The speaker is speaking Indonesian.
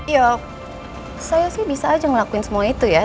ya saya sih bisa aja ngelakuin semua itu ya